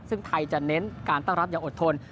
ซึ่งไทยจะเน้นการตั้งรับอย่างอดทน